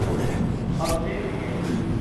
آبجوی تگری